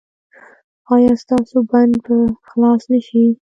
ایا ستاسو بند به خلاص نه شي؟